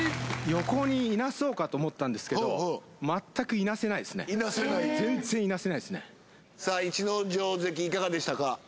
横にいなそうかと思ったんですけど全くいなせないですね全然いなせないですねさあ逸ノ城関いかがでしたか？